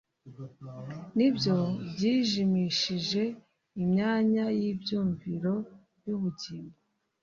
ni byo byijimishije imyanya yibyumviro yubugingo